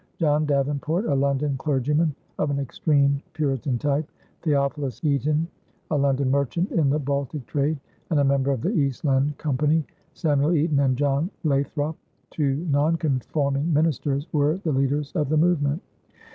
John Davenport, a London clergyman of an extreme Puritan type, Theophilus Eaton, a London merchant in the Baltic trade and a member of the Eastland Company, Samuel Eaton and John Lathrop, two nonconforming ministers, were the leaders of the movement.